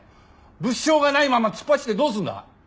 物証がないまま突っ走ってどうするんだ？